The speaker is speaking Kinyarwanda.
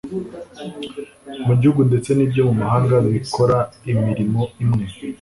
mu gihugu ndetse n'ibyo mu mahanga bikora imirimo imwe